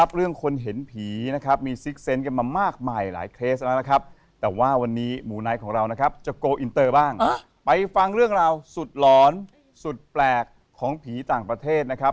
พอเวลานี่เราสุดหลอนสุดแปลกของผีต่างประเทศนะครับ